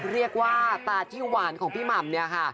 เรียกว่าตาที่หวานของพี่หม่ำเนี่ยค่ะ